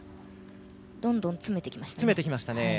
どんどん詰めてきましたね。